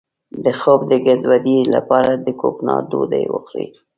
د خوب د ګډوډۍ لپاره د کوکنارو ډوډۍ وخورئ